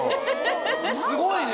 すごいね！